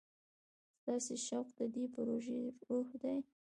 ستاسو شوق د دې پروژې روح دی.